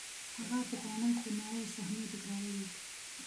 هغه پخوانۍ خونړۍ صحنې تکراروئ.